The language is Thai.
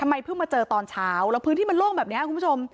ทำไมเพิ่งมาเจอตอนเช้าแล้วพื้นที่มันโล่งแบบนี้คุณผู้ชม